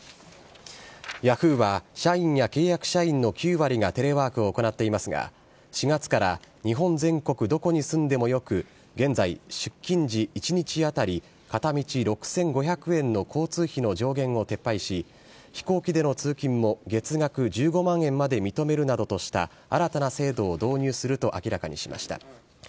ヤフーは社員や契約社員の９割がテレワークを行っていますが、４月から日本全国どこに住んでもよく、現在、出勤時１日当たり片道６５００円の交通費の上限を撤廃し、飛行機での通勤も月額１５万円まで認めるなどとした新たな制度を導入すると明らかにしました。